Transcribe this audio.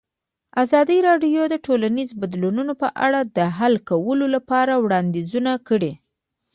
ازادي راډیو د ټولنیز بدلون په اړه د حل کولو لپاره وړاندیزونه کړي.